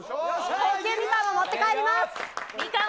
高級みかん持って帰ります。